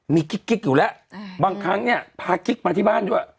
มีกิ๊กอยู่แล้วบางครั้งเนี่ยพากิ๊กมาที่บ้านด้วย